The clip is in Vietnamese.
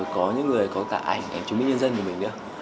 có những người có cả ảnh chứng minh nhân dân của mình nữa